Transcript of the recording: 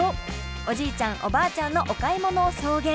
おじいちゃんおばあちゃんのお買い物を送迎。